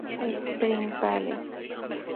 Spring Valley